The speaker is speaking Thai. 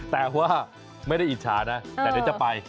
แต่ว่าไม่ได้อิจฉานะแต่เดี๋ยวจะไป